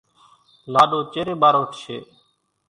لاڏو چيرين ٻاروٺشيَ۔